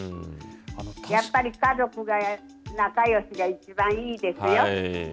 やっぱり家族が仲よしで一番いいですよ。